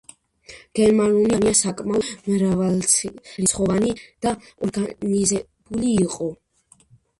გერმანული არმია საკმაოდ მრავალრიცხოვანი და ორგანიზებული იყო.